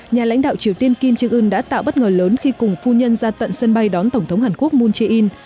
nhà lãnh đạo triều tiên kim trương ưn đã tạo bất ngờ lớn khi cùng phu nhân ra tận sân bay đón tổng thống hàn quốc moon jae in